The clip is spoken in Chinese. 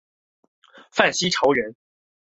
范希朝人。